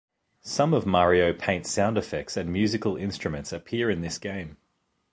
Some of "Mario Paint"s sound effects and musical instruments appear in this game.